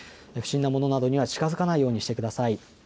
不審なものなどには近づかないようにしてください。